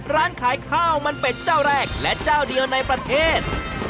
ร้านขายข้าวมันเป็ดเจ้าแรกและเจ้าเดียวในประเทศ